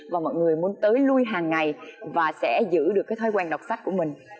và mọi người muốn tới lui hàng ngày và sẽ giữ được cái thói quen đọc sách của mình